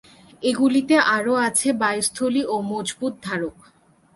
এগুলিতে আরও আছে বায়ুস্থলী ও মজবুত ধারক।